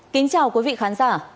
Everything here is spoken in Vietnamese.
kính chào quý vị khán giả